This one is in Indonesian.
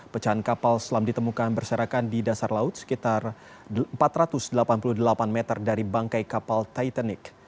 pecahan kapal selam ditemukan berserakan di dasar laut sekitar empat ratus delapan puluh delapan meter dari bangkai kapal titanic